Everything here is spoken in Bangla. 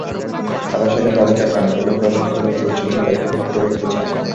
তাঁরা সেদিন রাতে চট্টগ্রাম মেডিকেল কলেজ হাসপাতালে চিকিৎসাধীন তাইফুল হককে দেখতে যান।